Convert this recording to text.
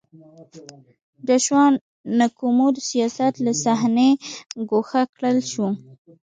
جاشوا نکومو د سیاست له صحنې ګوښه کړل شو.